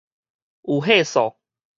有歲數